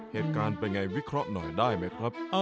เหตุการณ์เป็นไงวิเคราะห์หน่อยได้ไหมครับ